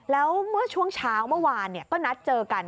แล้วเมื่อช่วงเช้าเมื่อวานก็นัดเจอกัน